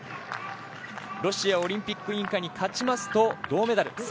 ロシアオリンピック委員会に勝ちますと、銅メダル。